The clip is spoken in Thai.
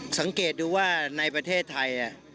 สังเกตดูว่าในประเทศไทย